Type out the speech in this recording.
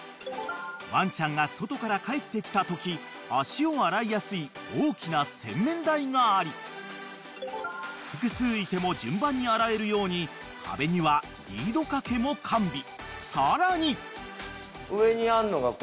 ［ワンちゃんが外から帰ってきたとき足を洗いやすい大きな洗面台があり複数いても順番に洗えるように壁にはリード掛けも完備］